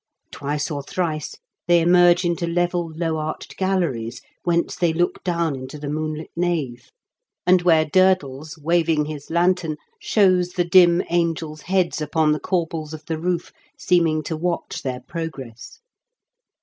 Twice or thrice they emerge into level low arched galleries, whence they look down into the moonlit nave ; and where Durdles, waving his lantern, shows the dim angels' heads upon the corbels of the roof, seeming to watch their progress.